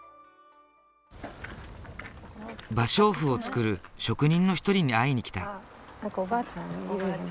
芭蕉布を作る職人の一人に会いに来た。